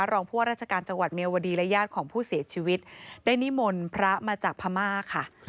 รองผู้ว่าราชการจังหวัดเมียวดีและญาติของผู้เสียชีวิตได้นิมนต์พระมาจากพม่าค่ะ